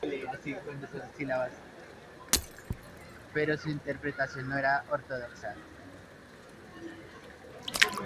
Pero su interpretación no era ortodoxa.